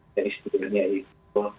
dan istimewanya itu